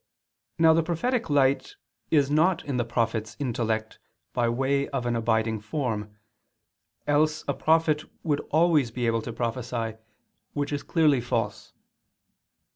Now the prophetic light is not in the prophet's intellect by way of an abiding form, else a prophet would always be able to prophesy, which is clearly false.